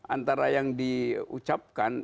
antara yang diucapkan